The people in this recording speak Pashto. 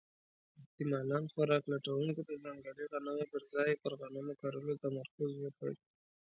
احتمالاً خوراک لټونکو د ځنګلي غنمو پر ځای پر غنمو کرلو تمرکز وکړ.